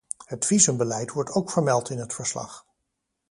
Het visumbeleid wordt ook vermeld in het verslag.